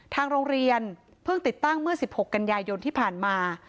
ทางโรงเรียนเพิ่งติดตั้งเมื่อ๑๖กันยายนที่ผ่านมา